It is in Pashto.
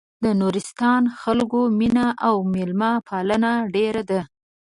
د نورستان خلکو مينه او مېلمه پالنه ډېره ده.